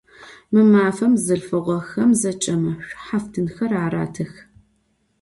Mı mafem bzılhfığexem zeç'emi ş'uhaftınxer aratıx.